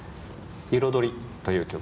「彩り」という曲。